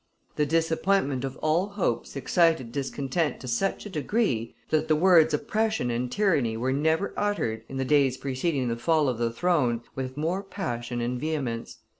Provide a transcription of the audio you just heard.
"The disappointment of all hopes excited discontent to such a degree, that the words oppression and tyranny were never uttered, in the days preceding the fall of the throne, with more passion and vehemence."